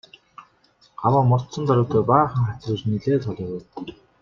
Гаваа мордсон даруйдаа баахан хатируулж нэлээд хол явав.